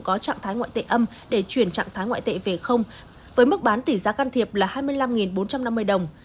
có trạng thái ngoại tệ âm để chuyển trạng thái ngoại tệ về không với mức bán tỷ giá can thiệp là hai mươi năm bốn trăm năm mươi đồng